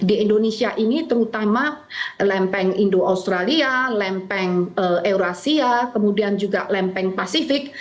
di indonesia ini terutama lempeng indo australia lempeng eurasia kemudian juga lempeng pasifik